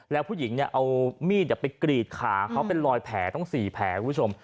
แล้วผู้หญิงเนี่ยเอามีดไปกรีดขาเขาเป็นรอยแผลต้อง๔แผลคุณผู้ชม